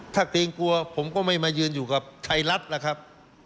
ถ้าเกรงกลัวผมก็ไม่มายืนอยู่กับไทยรัฐล่ะครับ